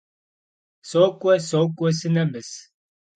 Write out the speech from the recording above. Сокӏуэ, сокӏуэ - сынэмыс.